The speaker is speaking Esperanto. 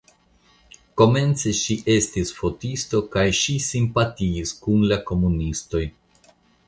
Komence ŝi estis fotisto kaj ŝi simpatiis kun la komunistoj.